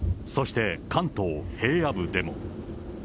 そして関東平野部でも。